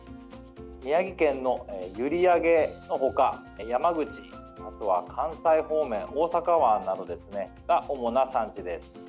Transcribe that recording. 宮城県の閖上のほか山口、あとは関西方面大阪湾などが主な産地です。